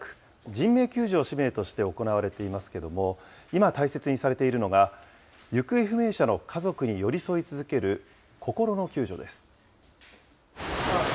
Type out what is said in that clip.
人命救助を使命として行われていますけれども、今、大切にされているのが、行方不明者の家族に寄り添い続ける心の救助です。